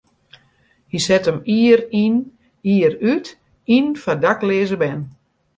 Hy set him jier yn jier út yn foar dakleaze bern.